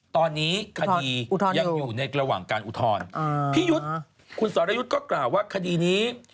ตอนนี้คดียังอยู่ในกระหว่างการอุทธรณ์พี่ยุทธก็กล่าวว่าคดีนี้